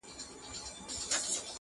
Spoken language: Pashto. زېری به راوړي د پسرلیو -